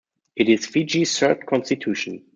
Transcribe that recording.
It is Fiji's third Constitution.